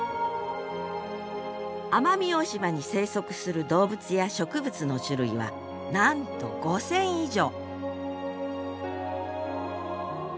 奄美大島に生息する動物や植物の種類はなんと５，０００以上！